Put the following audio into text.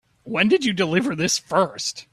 When did you deliver this first?